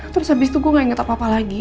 terus habis itu gue gak inget apa apa lagi